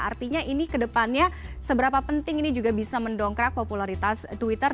artinya ini kedepannya seberapa penting ini juga bisa mendongkrak popularitas twitter